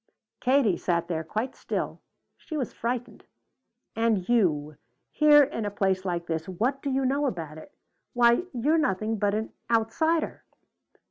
Katie sat there quite still. She was frightened. "And you! Here in a place like this what do you know about it? Why you're nothing but an outsider!"